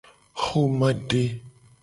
Xomade.